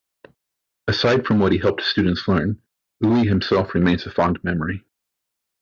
Aside from what he helped students learn, Uli himself remains a fond memory.